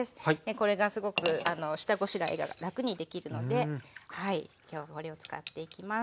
これがすごく下ごしらえが楽にできるので今日これを使っていきます。